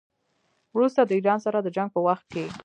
وروسته د ایران سره د جنګ په وخت کې.